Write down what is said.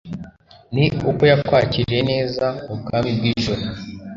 ni uko yakwakiriye neza mu bwami bw'ijuru